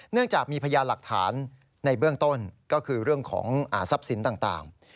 จากมีพยานหลักฐานในเบื้องต้นก็คือเรื่องของทรัพย์สินต่าง